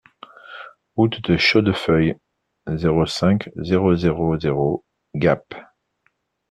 Route de Chaudefeuille, zéro cinq, zéro zéro zéro Gap